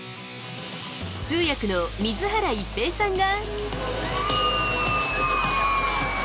通訳の水原一平さんが。